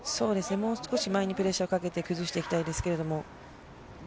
もう少し前にプレッシャーをかけて崩していきたいですけれども。